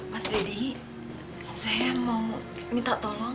mas deddy saya mau minta tolong